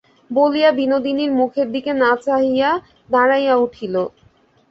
বলিয়া বিনোদিনীর মুখের দিকে না চাহিয়া দাঁড়াইয়া উঠিল।